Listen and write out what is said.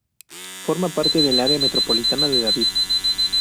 Forma parte del área metropolitana de David.